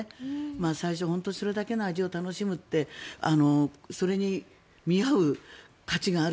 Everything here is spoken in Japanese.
最初、本当にそれだけの味を楽しむってそれに見合う価値がある。